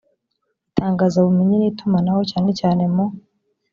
itangazabumenyi n itumanaho cyane cyane mu